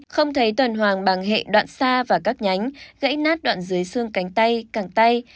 không thấy tuần hoàng bằng hệ đoạn xa và các nhánh gãy nát đoạn dưới xương cánh tay cẳng tay